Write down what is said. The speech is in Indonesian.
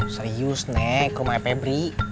serius nek ke rumah febri